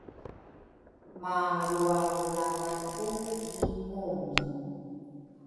malrualruladhaku ki Muni.